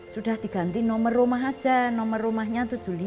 sudah diganti nomor rumah saja nomor rumahnya tujuh puluh lima